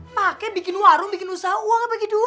pake bikin warung bikin usaha uang apa gitu